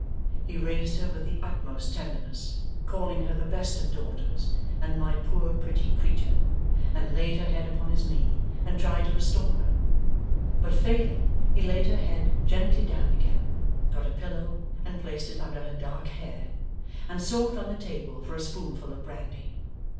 He raised her with the utmost tenderness, calling her the best of daughters, and 'my poor pretty creetur', and laid her head upon his knee, and tried to restore her. But failing, he laid her head gently down again, got a pillow and placed it under her dark hair, and sought on the table for a spoonful of brandy.